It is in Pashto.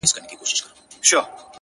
هغه لمرونو هغه واورو آزمېیلی چنار.!